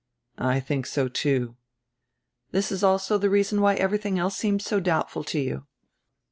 "I think so, too." "This is also the reason why everything else seems so doubtful to you."